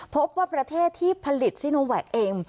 พบว่าประเทศที่ผลิตซีโนแวกเอง